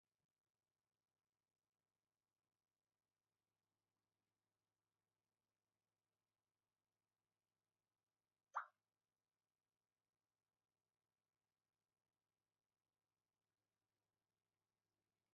Homines judica secundo apparentias exterior, ma le Senior respice al corde”.